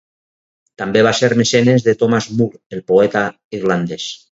També va ser el mecenes de Thomas Moore, el poeta irlandès.